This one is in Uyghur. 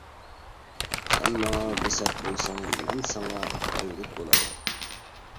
سەن ماڭا بىسات بولساڭ، مەن ساڭا تۈۋرۈك بولاي.